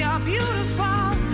sudah ditanyain belum